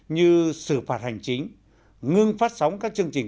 như xử phạt hành chính ngưng phát sóng các chương trình